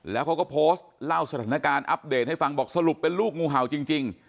แล้วเขาก็โพสต์เล่าสถานการณ์อัปเดตให้ฟังบอกสรุปเป็นลูกงูเห่าจริง